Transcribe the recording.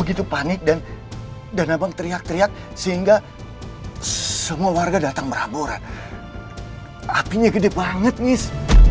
begitu panik dan dan abang teriak teriak sehingga semua warga datang berhabora apinya gede banget nih